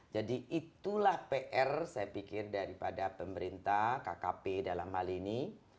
jadi itulah pr saya pikir daripada pemerintah kkp dalam hal ini